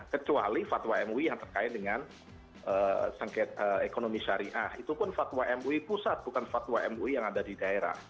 kecuali fatwa mui yang terkait dengan sengketa ekonomi syariah itu pun fatwa mui pusat bukan fatwa mui yang ada di daerah